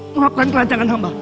mohon maafkan kerancangan hamba